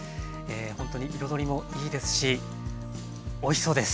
ほんとに彩りもいいですしおいしそうです。